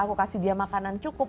aku kasih dia makanan cukup